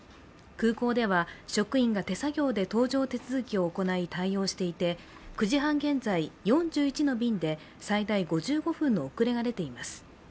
空港では、職員が手作業で搭乗手続きを行い対応していて９時半現在、４１の便で最大５５分の遅れが出ています。